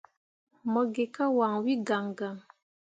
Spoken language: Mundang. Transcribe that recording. Mo gi ka wanwi gaŋgaŋ.